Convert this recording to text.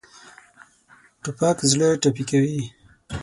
توپک زړه ټپي کوي.